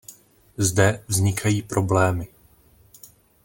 Zde vznikají problémy.